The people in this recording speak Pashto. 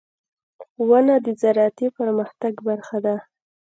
• ونه د زراعتي پرمختګ برخه ده.